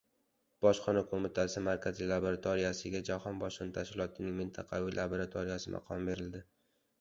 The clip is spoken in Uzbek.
Bojxona qo‘mitasi Markaziy laboratoriyasiga Jahon bojxona tashkilotining mintaqaviy laboratoriyasi maqomi berildi